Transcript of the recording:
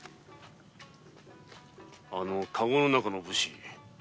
あのカゴの中の武士